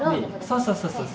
そうそうそうそう。